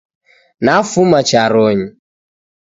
Nafuma charonyi